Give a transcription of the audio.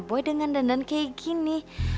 boy dengan dandan kayak gini